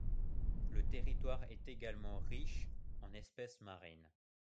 Le territoire est également riche en espèces marines.